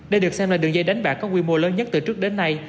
đây được xem là đường dây đánh bạc có quy mô lớn nhất từ trước đến nay